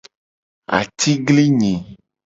Atiglinyi.